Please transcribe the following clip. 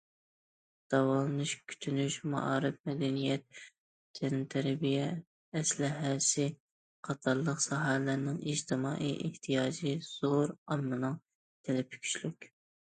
داۋالىنىش، كۈتۈنۈش، مائارىپ، مەدەنىيەت، تەنتەربىيە ئەسلىھەسى قاتارلىق ساھەلەرنىڭ ئىجتىمائىي ئېھتىياجى زور، ئاممىنىڭ تەلىپى كۈچلۈك.